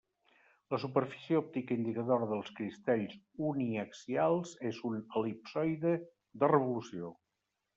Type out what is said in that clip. La superfície òptica indicadora dels cristalls uniaxials és un el·lipsoide de revolució.